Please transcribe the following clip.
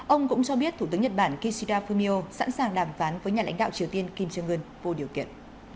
ông cũng cho biết thủ tướng nhật bản kishida fumio sẵn sàng đàm phán với nhà lãnh đạo triều tiên kim jong un vô điều kiện